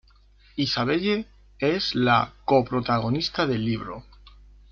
Isabelle: es la co-protagonista del libro.